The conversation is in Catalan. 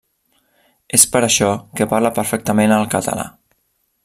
És per això que parla perfectament el català.